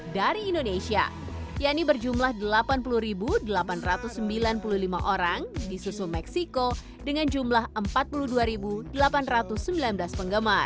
dari indonesia yang ini berjumlah delapan puluh delapan ratus sembilan puluh lima orang di susul meksiko dengan jumlah empat puluh dua delapan ratus sembilan belas penggemar